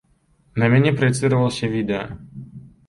На мяне праецыравалася відэа.